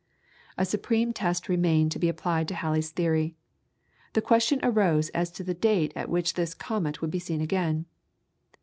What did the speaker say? A supreme test remained to be applied to Halley's theory. The question arose as to the date at which this comet would be seen again.